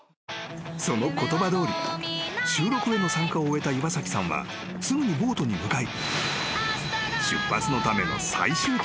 ［その言葉どおり収録への参加を終えた岩崎さんはすぐにボートに向かい］